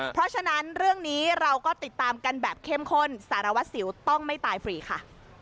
เพราะฉะนั้นเรื่องนี้เราก็ติดตามกันแบบเข้มข้นสารวัตรสิวต้องไม่ตายฟรีค่ะ